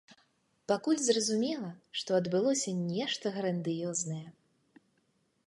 Пакуль зразумела, што адбылося нешта грандыёзнае.